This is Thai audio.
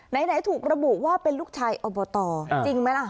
ไหนถูกระบุว่าเป็นลูกชายอบตจริงไหมล่ะ